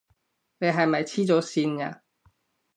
你係咪痴咗線呀？